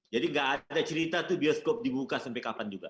jadi gak ada cerita tuh bioskop dibuka sampai kapan juga